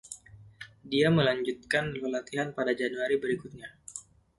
Dia melanjutkan pelatihan pada Januari berikutnya.